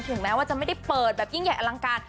แม้ว่าจะไม่ได้เปิดแบบยิ่งใหญ่อลังการ